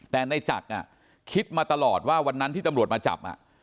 แต่ในจักรคิดมาตลอดว่าวันนั้นที่ตำรวจมาจับ